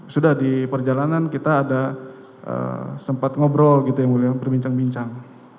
sudah di perjalanan kita ada sempat ngobrol berbincang bincang